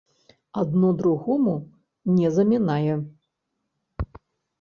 Адно другому не замінае.